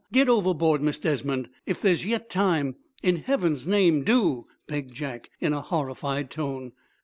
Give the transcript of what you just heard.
Get overboard, Miss Desmond, if there's yet time. In heaven's name do!" begged Jack, in a horrified tone.